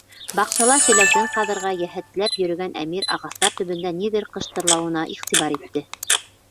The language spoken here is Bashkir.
Баҡсала селәүсен ҡаҙырға йәһәтләп йөрөгән Әмир, ағастар төбөндә ниҙер ҡыштырлауына иғтибар итте.